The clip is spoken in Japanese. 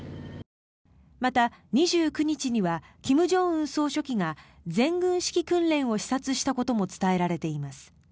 また、２９日には金正恩総書記が全軍指揮訓練を視察したことも伝えられています。